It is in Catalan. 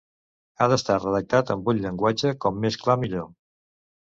Ha d'estar redactat amb un llenguatge com més clar millor.